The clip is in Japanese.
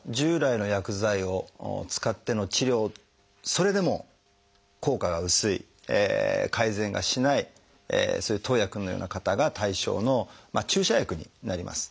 それでも効果が薄い改善がしないそういう徳文くんのような方が対象の注射薬になります。